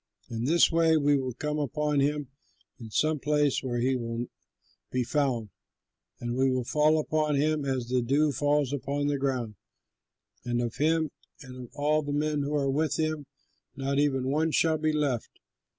In this way we will come upon him in some place where he will be found, and we will fall upon him as the dew falls on the ground; and of him and of all the men who are with him not even one shall be left.